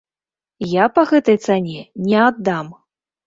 Я па гэтай цане не аддам!